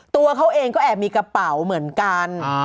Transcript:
ตัวเขาเองก็แอบมีกระเป๋าเหมือนกัน